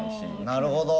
なるほど。